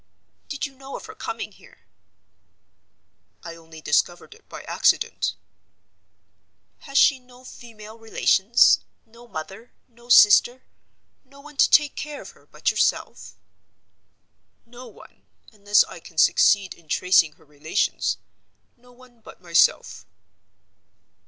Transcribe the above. "Did you know of her coming here?" "I only discovered it by accident." "Has she no female relations? No mother? no sister? no one to take care of her but yourself?" "No one—unless I can succeed in tracing her relations. No one but myself."